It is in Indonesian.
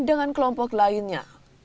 dengan kelompok lainnya